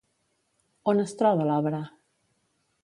On es troba l'obra?